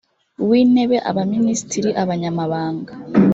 w intebe abaminisitiri abanyamabanga